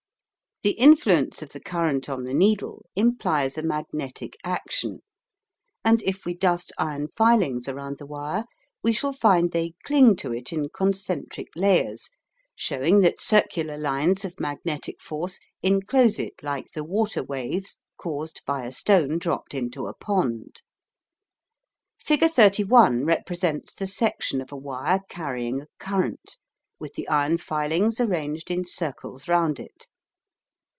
The influence of the current on the needle implies a magnetic action, and if we dust iron filings around the wire we shall find they cling to it in concentric layers, showing that circular lines of magnetic force enclose it like the water waves caused by a stone dropped into a pond. Figure 31 represents the section of a wire carrying a current, with the iron filings arranged in circles round it.